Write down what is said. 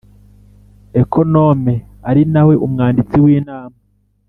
Ekonome ari nawe umwanditsi w Inama